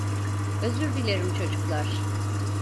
Özür dilerim çocuklar.